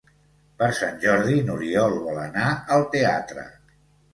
Per Sant Jordi n'Oriol vol anar al teatre.